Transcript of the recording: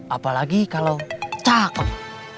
apalagi kalau cakep